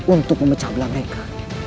untuk memecah belah mereka